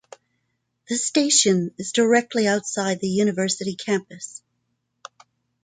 The station is directly outside the University campus.